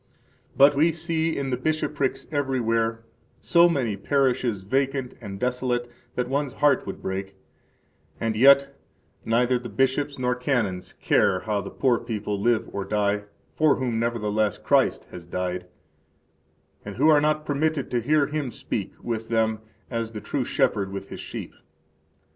But we see in the bishoprics everywhere so many parishes vacant and desolate that one's heart would break, and yet neither the bishops nor canons care how the poor people live or die, for whom nevertheless Christ has died, and who are not permitted to hear Him speak with them as the true Shepherd with His sheep.